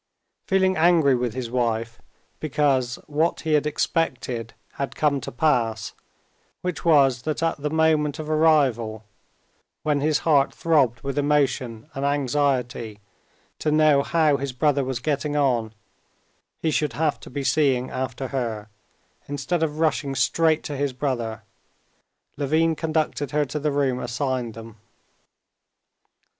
Feeling angry with his wife because what he had expected had come to pass, which was that at the moment of arrival, when his heart throbbed with emotion and anxiety to know how his brother was getting on, he should have to be seeing after her, instead of rushing straight to his brother, Levin conducted her to the room assigned them.